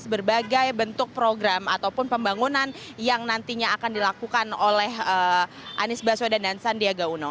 berbagai bentuk program ataupun pembangunan yang nantinya akan dilakukan oleh anies baswedan dan sandiaga uno